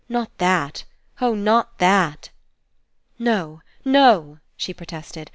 Not that! Oh, not that! "No, no!" she protested.